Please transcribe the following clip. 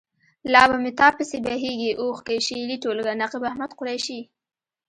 لا به مې تا پسې بهیږي اوښکې. شعري ټولګه. نقيب احمد قریشي.